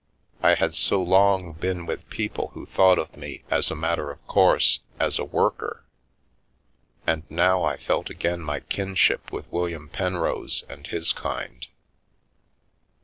I had so long been with people who thought of me, as a matter of course, as a worker, and now I felt again my kinship with William Penrose and his kind.